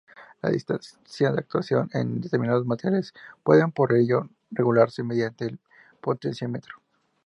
La distancia de actuación en determinados materiales, pueden por ello, regularse mediante el potenciómetro.